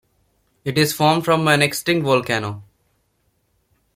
It is formed from an extinct volcano.